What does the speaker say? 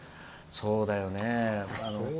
そうだよね。